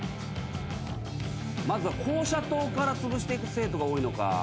まずは校舎棟からつぶしていく生徒が多いのか。